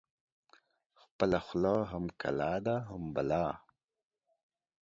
خپله خوله هم کلا ده هم بلا.